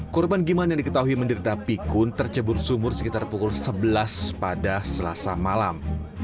korban giman yang diketahui menderita pikun tercebur sumur sekitar pukul sebelas pada selasa malam